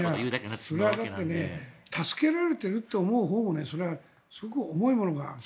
それはだって助けられてるって思うほうもすごく重いもの。